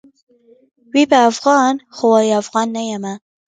وي به افغان؛ خو وايي افغان نه یمه